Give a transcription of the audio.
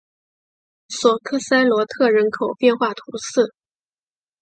索克塞罗特人口变化图示